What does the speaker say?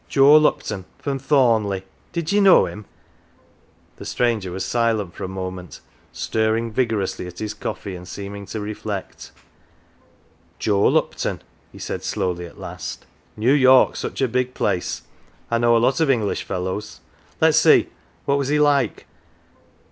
Joe Lupton from Thornleigh. Did ye know him ?" 238 "OUR JOE" The stranger was silent for a moment, stirring vigor ously at his coffee, and seeming to reflect. " Joe Lupton," he said slowly, at last. " New York's such a big place I know a lot of English fellows. Let's see, what was he like